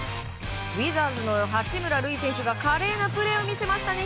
ウィザーズの八村塁選手が華麗なプレーを見せましたね。